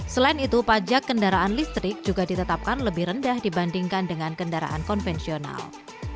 selain itu pajak kendaraan listrik juga ditetapkan lebih rendah dibandingkan dengan kendaraan konvensional